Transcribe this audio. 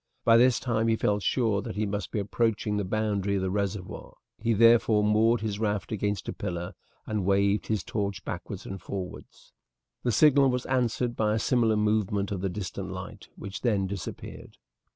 By this time he felt sure that he must be approaching the boundary of the reservoir. He therefore moored his raft against a pillar and waved his torch backwards and forwards. The signal was answered by a similar movement of the distant light, which then disappeared.